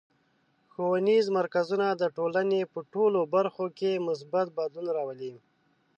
ښوونیز مرکزونه د ټولنې په ټولو برخو کې مثبت بدلون راولي.